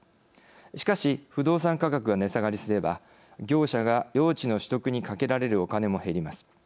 しかし不動産価格が値下がりすれば業者が用地の取得にかけられるお金も減ります。